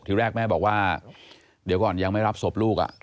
ทีแรกแม่บอกว่าเดี๋ยวก่อนยังไม่รับศพลูก